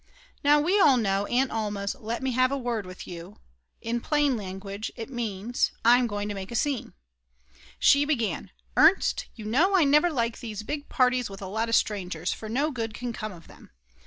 Now we all know Aunt Alma's let me have a word with you. In plain language it means: I'm going to make a scene. She began: "Ernst, you know I never like these big parties with a lot of strangers, for no good can come of them.